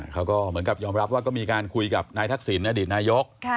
เขาก็เหมือนกับยอมรับว่าก็มีการคุยกับนายทักษิณอดีตนายก